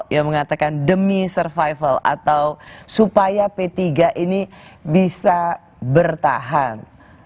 yang mengatakan demi survival atau supaya p tiga ini bisa bertahan